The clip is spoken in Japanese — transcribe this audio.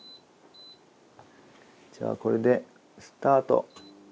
じゃあこれでスタート。